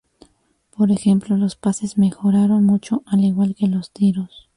Por ejemplo los pases mejoraron mucho, al igual que los tiros.